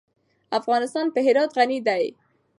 افغانستان په هرات غني دی.